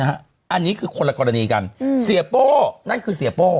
อันนี้คือคนละกรณีกันเสียโป้นั่นคือเสียโป้